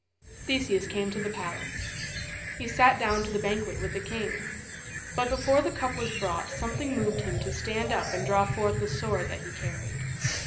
Theseus came to the palace. He sat down to the banquet with the king. But before the cup was brought something moved him to stand up and draw forth the sword that he carried.